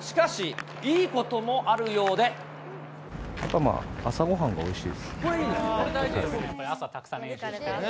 しかし、いいこともあるよう朝ごはんがおいしいですね。